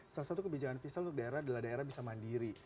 salah satu kebijakan fiskal untuk daerah adalah daerah bisa mandiri